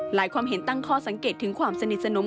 ความเห็นตั้งข้อสังเกตถึงความสนิทสนม